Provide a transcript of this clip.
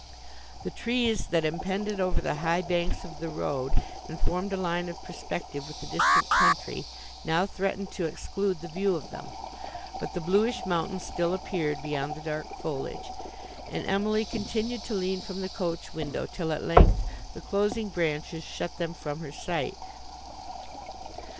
The trees, that impended over the high banks of the road and formed a line of perspective with the distant country, now threatened to exclude the view of them; but the bluish mountains still appeared beyond the dark foliage, and Emily continued to lean from the coach window, till at length the closing branches shut them from her sight.